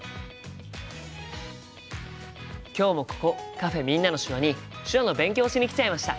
今日もここカフェ「みんなの手話」に手話の勉強をしに来ちゃいました。